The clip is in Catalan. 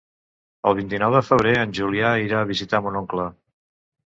El vint-i-nou de febrer en Julià irà a visitar mon oncle.